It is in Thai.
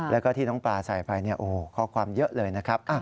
แล้วก็ที่น้องปลาใส่ไปข้อความเยอะเลยนะครับ